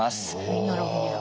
みんなロギニだ。